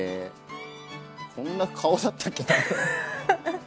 こんな顔だったっけな。